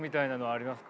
ありますか？